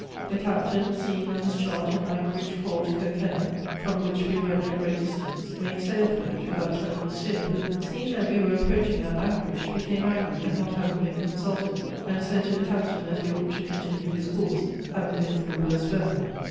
The captain, seeing on his chart an anchorage called Kerkenna, from which we were at no great distance, made sail for it without telling Monsieur, who, seeing that we were approaching that anchorage, became angry at not having been consulted, and said to the captain that he ought to continue his course, having been through worse weather.